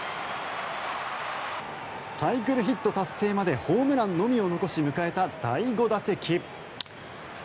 サイクルヒット達成までホームランのみを残し迎えた第５打席。